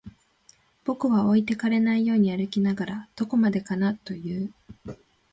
僕は置いてかれないように歩きながら、どこまでかなと言う